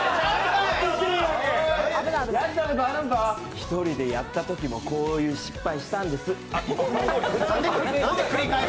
一人でやったときもこういう失敗したんです。